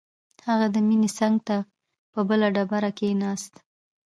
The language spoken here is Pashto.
هغه د مينې څنګ ته په بله ډبره کښېناست.